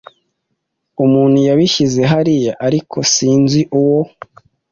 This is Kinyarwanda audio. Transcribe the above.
Umuntu yabishyize hariya, ariko sinzi uwo.